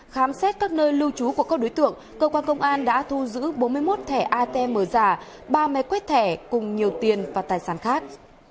khám xét các nơi lưu trú của các đối tượng cơ quan công an đã thu giữ bốn mươi một thẻ atm giả ba máy quét thẻ cùng nhiều tiền và tài sản khác